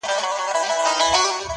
د غم سړې شپې -